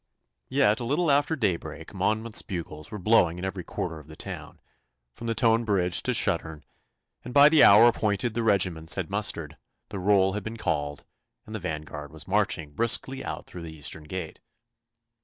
Yet a little after daybreak Monmouth's bugles were blowing in every quarter of the town, from Tone Bridge to Shuttern, and by the hour appointed the regiments had mustered, the roll had been called, and the vanguard was marching briskly out through the eastern gate.